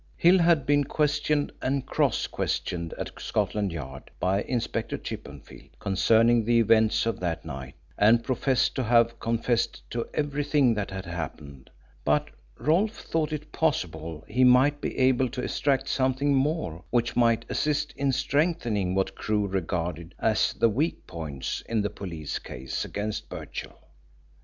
Hill had been questioned and cross questioned at Scotland Yard by Inspector Chippenfield concerning the events of that night, and professed to have confessed to everything that had happened, but Rolfe thought it possible he might be able to extract something more which might assist in strengthening what Crewe regarded as the weak points in the police case against Birchill.